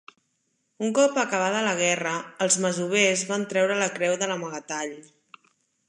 Un cop acabada la guerra, els masovers van treure la creu de l'amagatall.